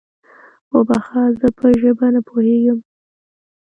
وبخښه، زه په ژبه نه پوهېږم؟